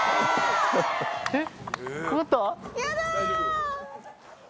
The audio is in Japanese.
えっ？